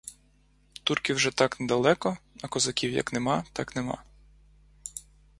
Турки вже так недалеко, а козаків як нема, так нема.